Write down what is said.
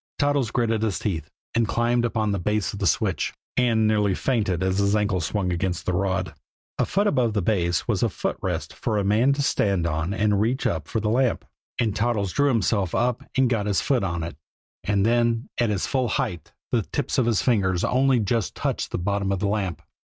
Toddles gritted his teeth, and climbed upon the base of the switch and nearly fainted as his ankle swung against the rod. A foot above the base was a footrest for a man to stand on and reach up for the lamp, and Toddles drew himself up and got his foot on it and then at his full height the tips of his fingers only just touched the bottom of the lamp.